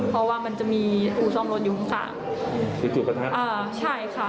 เพราะว่ามันจะมีอุดซ่อมรถอยู่ข้างอ่าใช่ค่ะ